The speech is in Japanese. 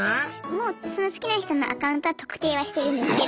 もうその好きな人のアカウントは「特定」はしてるんですけど。